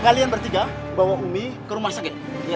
kalian bertiga bawa umi ke rumah sakit